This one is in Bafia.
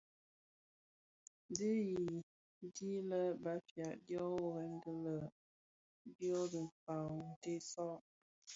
Di i di lè Bafia dyo worè bi löň dhi bëkpag tsentsa.